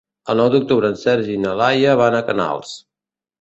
El nou d'octubre en Sergi i na Laia van a Canals.